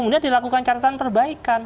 kemudian dilakukan catatan perbaikan